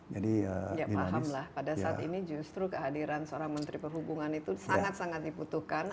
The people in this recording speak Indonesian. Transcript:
ya pahamlah pada saat ini justru kehadiran seorang menteri perhubungan itu sangat sangat dibutuhkan